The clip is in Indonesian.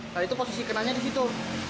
nah itu posisi kenanya di situ